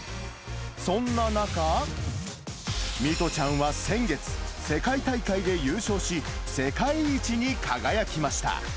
そんな中、弥都ちゃんは先月、世界大会で優勝し、世界一に輝きました。